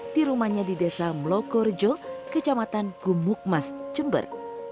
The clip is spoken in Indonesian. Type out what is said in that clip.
di rumahnya di desa meloko rejo kecamatan gumukmas jember